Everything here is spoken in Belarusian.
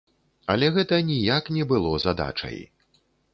Але гэта ніяк не было задачай.